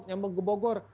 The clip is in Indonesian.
nyambung ke bogor